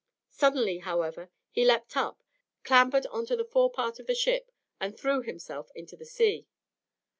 Suddenly, however, he leapt up, clambered on to the forepart of the ship, and threw himself into the sea.